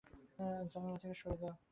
জানালা থেকে সরে যাও!